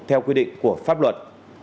theo quy định của pháp luật